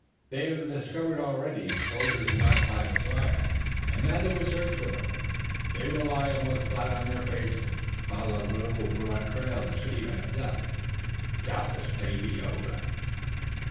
They have discovered already that the soldiers are not by the fire, and now they will search for them." "They will lie almost flat on their faces and follow, a little, the broad trail the city men have left." "Doubtless, Dagaeoga."